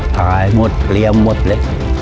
ขายหมดเลี้ยงหมดเลย